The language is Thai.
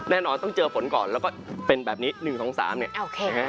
แน่นอนต้องเจอฝนก่อนแล้วก็เป็นแบบนี้๑๒๓เนี่ยโอเคฮะ